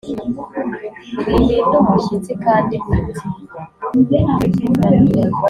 mwihinda umushyitsi, kandi mwitinya!